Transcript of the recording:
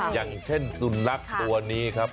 อย่างเช่นสุนัขตัวนี้ครับ